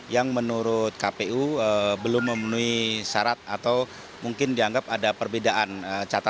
yang menurut kpu belum memenuhi syarat atau mungkin dianggap ada perbedaan